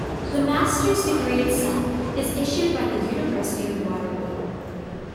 The master's degree itself is issued by the University of Waterloo.